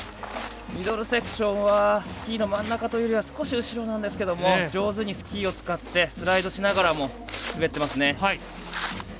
ミドルセクションはスキーの真ん中というよりは少し後ろなんですけど上手にスキーを使ってスライドしながらも滑っていますね。